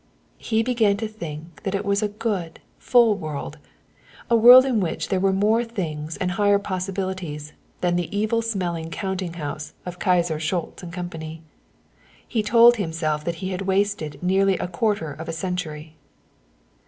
He began to think that it was a good, full world a world in which there were more things and higher possibilities than the evil smelling counting house of Kyser, Schultz & Company. He told himself that he had wasted nearly a quarter of a century.